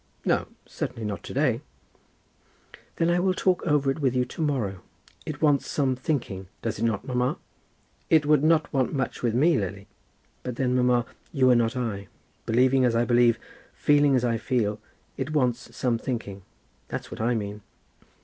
"No; certainly not to day." "Then I will talk over it with you to morrow. It wants some thinking; does it not, mamma?" "It would not want much with me, Lily." "But then, mamma, you are not I. Believing as I believe, feeling as I feel, it wants some thinking. That's what I mean."